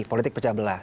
politik pecah belah